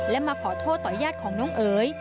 และมาขอโทษต่อญาติของน้องเอ๋ย